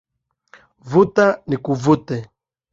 Vuta nikuvute